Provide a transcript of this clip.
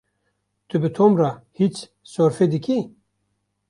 Tu bi Tom re hîç sorfê dikî?